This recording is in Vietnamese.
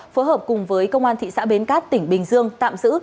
phối hợp cùng với công an thị xã bến cát tỉnh bình dương tạm giữ